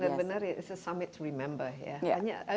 benar benar ini adalah summit untuk diingatkan